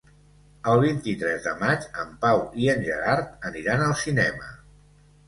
El vint-i-tres de maig en Pau i en Gerard aniran al cinema.